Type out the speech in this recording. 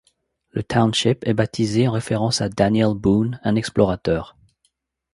Le township est baptisé en référence à Daniel Boone, un explorateur.